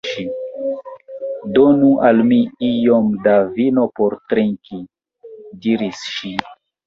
«Donu al mi iom da vino por trinki,» diris ŝi.